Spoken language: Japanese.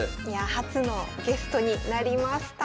いやあ初のゲストになります。